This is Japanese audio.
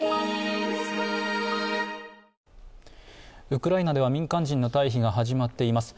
ウクライナでは民間人の退避が始まっています。